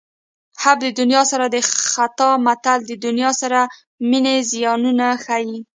حب د دنیا سر د خطا متل د دنیا سره مینې زیانونه ښيي